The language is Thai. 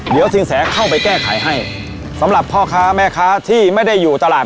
เดี๋ยวสินแสเข้าไปแก้ไขให้สำหรับพ่อค้าแม่ค้าที่ไม่ได้อยู่ตลาด